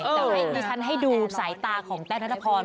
แต่ว่าอีกนิดนึงฉันให้ดูสายตาของแต้วนัทพร